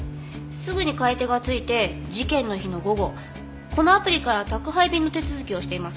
すぐに買い手がついて事件の日の午後このアプリから宅配便の手続きをしています。